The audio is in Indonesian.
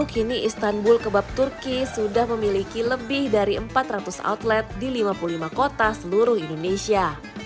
kini istanbul kebab turki sudah memiliki lebih dari empat ratus outlet di lima puluh lima kota seluruh indonesia